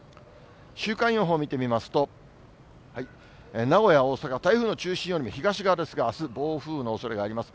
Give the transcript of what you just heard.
週間予報を見てみますと、名古屋、大阪、台風の中心よりも東側ですが、あす、暴風雨のおそれがあります。